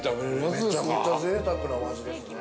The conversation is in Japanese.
◆めちゃくちゃぜいたくなお味ですね。